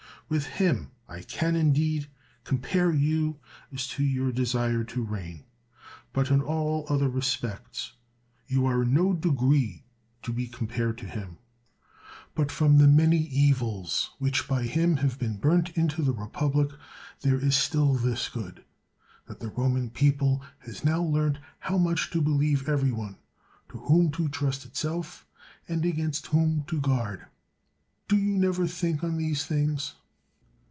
With him I can, indeed, compare you as to your desire to reign ; but in all other respects you are in no degree to be compared to him. But from the many evils which by him have been burnt into the republic, there is still this good : that the Roman people has now learnt how much to believe every one, to whom to trust itself, and against 198 CICERO whom to guard. Do you never think on these things?